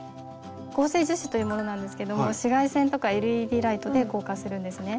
合成樹脂というものなんですけども紫外線とかＬＥＤライトで硬化するんですね。